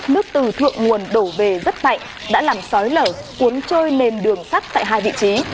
nước từ thượng nguồn đổ về rất mạnh đã làm sói lở cuốn trôi lên đường sắt tại hai vị trí